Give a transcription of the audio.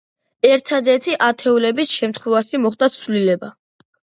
ერთადერთი ათეულების შემთხვევაში მოხდა ცვლილება.